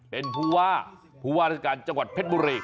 เป็นผู้ว่าผู้ว่าราชการจังหวัดเพชรบุรี